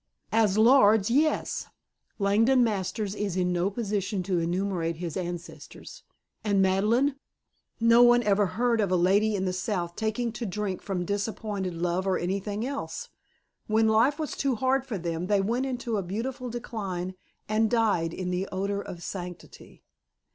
"As lords, yes. Langdon Masters is in no position to emulate his ancestors. And Madeleine! No one ever heard of a lady in the South taking to drink from disappointed love or anything else. When life was too hard for them they went into a beautiful decline and died in the odor of sanctity."